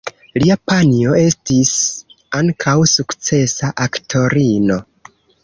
Lia panjo estis ankaŭ sukcesa aktorino.